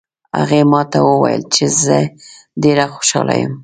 هغې ما ته وویل چې زه ډېره خوشحاله یم